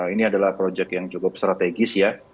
ini adalah proyek yang cukup strategis ya